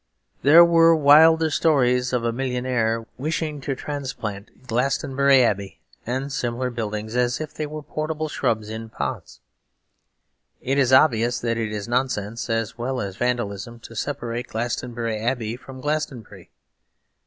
There were wilder stories of a millionaire wishing to transplant Glastonbury Abbey and similar buildings as if they were portable shrubs in pots. It is obvious that it is nonsense as well as vandalism to separate Glastonbury Abbey from Glastonbury.